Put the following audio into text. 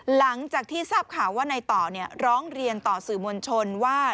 หลังจากที่ทราบข่าวว่าในต่อร้องเรียนต่อสื่อมวลชนว่า